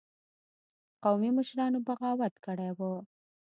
قومي مشرانو بغاوت کړی وو.